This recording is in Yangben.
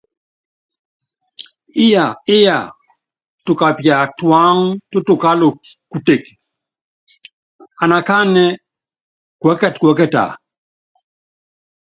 Íya íya, tukapia tuáŋá tútukála kuteke anakánɛ́ kuɛ́kɛtɛ kuɛ́kɛta?